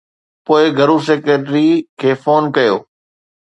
پوءِ گهرو سيڪريٽري کي فون ڪيو.